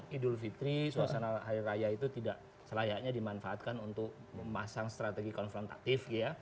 idul fitri suasana hari raya itu tidak selayaknya dimanfaatkan untuk memasang strategi konfrontatif